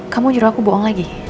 kamu juru aku bohong lagi